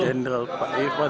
jenderal pak iwan zen